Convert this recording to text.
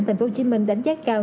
thành phố hồ chí minh đánh giá cao